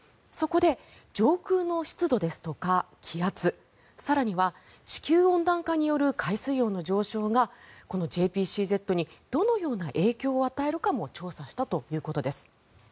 そこで上空の湿度ですとか気圧更には地球温暖化による海水温の上昇がこのＪＰＣＺにどのような影響を与えるのかも調査したということです。